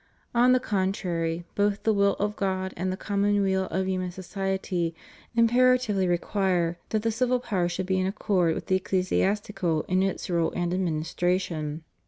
On the contrary, both the will of God and the common weal of human society imperatively require that the civil power should be in accord with the ecclesi astical in its rule and administration.